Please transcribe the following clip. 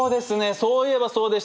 そういえばそうでした！